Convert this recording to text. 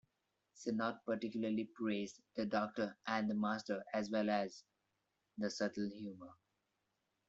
Sinnott particularly praised the Doctor and the Master, as well as the "subtle humor".